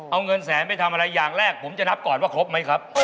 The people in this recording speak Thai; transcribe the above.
เอาเงินแสนไปทำอะไรอย่างแรกผมจะนับก่อนว่าครบไหมครับ